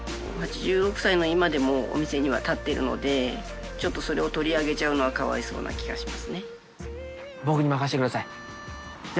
８６歳の今でも、お店には立っているので、ちょっとそれを取り上げちゃうのはかわいそうな気僕に任せてください。